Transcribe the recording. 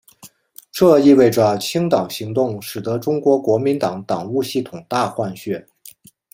这意味着清党行动使得中国国民党党务系统大换血。